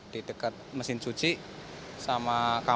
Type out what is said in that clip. di dekat mesin cuci sama kamar